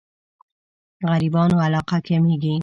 غريبانو علاقه کمېږي.